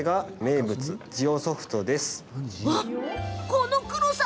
この黒さ！